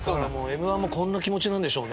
Ｍ−１もこんな気持ちなんでしょうね。